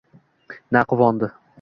Na quvondi.